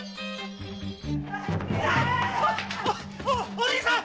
お凛さん！